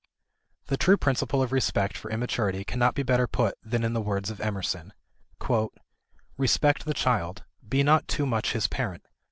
The true principle of respect for immaturity cannot be better put than in the words of Emerson: "Respect the child. Be not too much his parent.